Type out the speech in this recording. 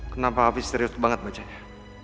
kenapa hafi serius banget bacanya